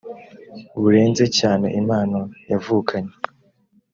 burenze cyane impano yavukanye